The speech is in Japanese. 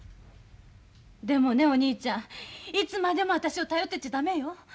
でもねお兄ちゃんいつまでも私を頼ってちゃ駄目よ。